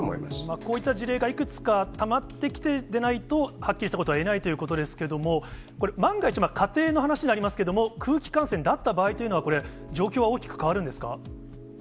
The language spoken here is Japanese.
こういった事例がいくつかたまってきてでないと、はっきりしたことは言えないということですけれども、これ、万が一、仮定の話でありますけれども、空気感染だった場合というのは、これ、状況は大きく変わるんですか。